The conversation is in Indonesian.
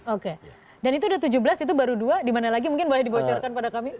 oke dan itu udah tujuh belas itu baru dua dimana lagi mungkin boleh dibocorkan pada kami